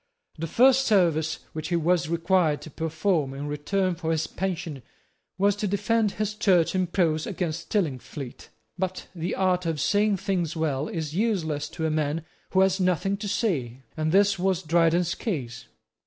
The first service which he was required to perform in return for his pension was to defend his Church in prose against Stillingfleet. But the art of saying things well is useless to a man who has nothing to say; and this was Dryden's case.